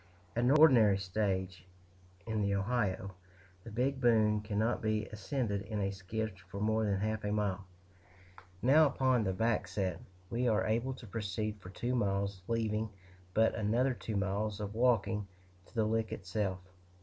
At an ordinary stage in the Ohio, the Big Bone cannot be ascended in a skiff for more than half a mile; now, upon the backset, we are able to proceed for two miles, leaving but another two miles of walking to the Lick itself.